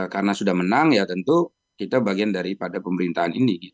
karena sudah menang ya tentu kita bagian daripada pemerintahan ini